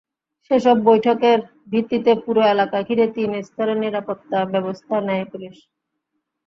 সেসব বৈঠকের ভিত্তিতে পুরো এলাকা ঘিরে তিন স্তরের নিরাপত্তাব্যবস্থা নেয় পুলিশ।